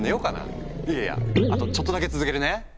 いやいやあとちょっとだけ続けるね。